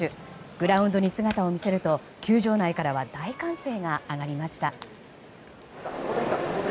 グラウンドに姿を見せると球場内からは大歓声が上がりました。